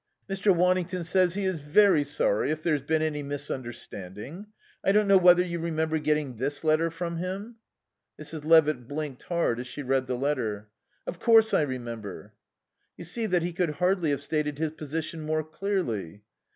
"Mr. Waddington says he is very sorry if there's any misunderstanding. I don't know whether you remember getting this letter from him?" Mrs. Levitt blinked hard as she read the letter. "Of course I remember." "You see that he could hardly have stated his position more clearly."